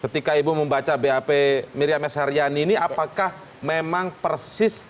ketika ibu membaca bap miriam s haryani ini apakah memang persis